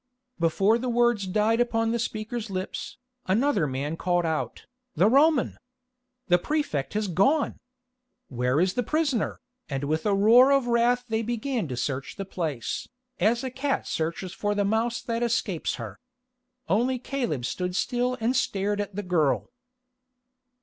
Before the words died upon the speaker's lips, another man called out, "The Roman! The Prefect has gone! Where is the prisoner?" and with a roar of wrath they began to search the place, as a cat searches for the mouse that escapes her. Only Caleb stood still and stared at the girl.